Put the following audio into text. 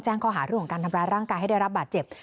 ข้อหาเรื่องของการทำร้ายร่างกายให้ได้รับบาดเจ็บ